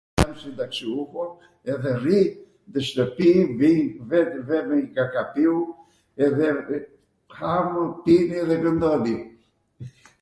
jam sindaksiuho edhe rrij nw shtwpi , vij vete vemi nga KAPI-u edhe hamw pini edhe kwndoni